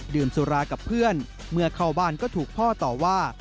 สุรากับเพื่อนเมื่อเข้าบ้านก็ถูกพ่อต่อว่า